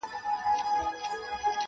• له بلبله څخه هېر سول پروازونه -